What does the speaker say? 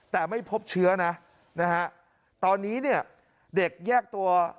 แต่ไม่พบเชื้อนะตอนนี้เด็กแยกตัว